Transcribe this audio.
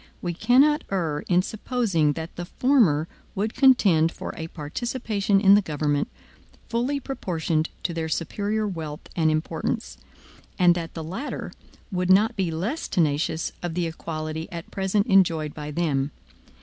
We cannot err in supposing that the former would contend for a participation in the government, fully proportioned to their superior wealth and importance; and that the latter would not be less tenacious of the equality at present enjoyed by them.